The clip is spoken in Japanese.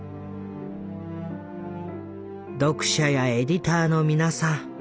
「読者やエディターの皆さん